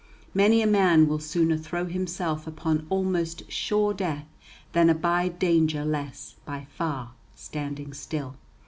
Many a man will sooner throw himself upon almost sure death than abide danger less by far standing still.